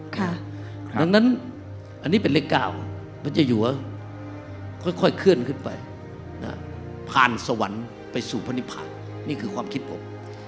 ดังนั้นอันนี้เป็นเลข๙พระเจ้าอยู่ค่อยเคลื่อนขึ้นไปผ่านสวรรค์ไปสู่พนิพานนี่คือความคิดผม